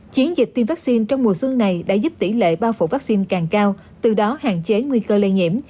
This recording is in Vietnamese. chiến dịch tiêm vaccine trong mùa xuân này đã giúp tỷ lệ bao phủ vaccine càng cao từ đó hạn chế nguy cơ lây nhiễm